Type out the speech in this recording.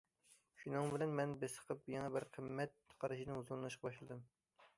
شۇنىڭ بىلەن مەن بېسىقىپ، بىر يېڭى قىممەت قارىشىدىن ھۇزۇرلىنىشقا باشلىدىم.